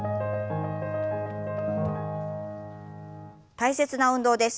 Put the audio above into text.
大切な運動です。